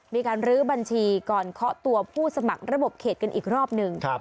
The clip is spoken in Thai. รื้อบัญชีก่อนเคาะตัวผู้สมัครระบบเขตกันอีกรอบหนึ่ง